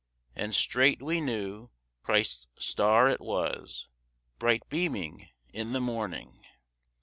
And straight we knew Christ's Star it was, Bright beaming in the morning.